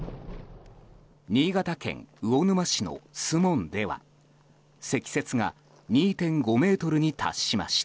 新潟県魚沼市の守門では積雪が２．５ｍに達しました。